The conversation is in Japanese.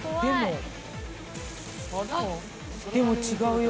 でも違うよ。